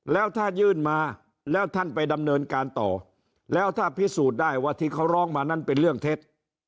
แล้วถ้ายื่นมาแล้วท่านไปดำเนินการต่อแล้วถ้าพิสูจน์ได้ว่าที่เขาร้องมานั้นเป็นเรื่องเท็จ